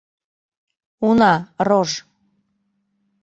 — Уна, рож.